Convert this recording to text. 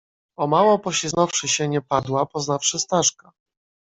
"O mało pośliznąwszy się nie padła, poznawszy Staszka."